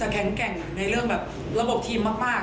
แข็งตอดในเรื่องระบบทีมมาก